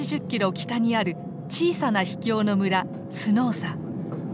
北にある小さな秘境の村スノーサ。